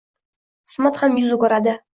Qismat ham yuz o‘giradi.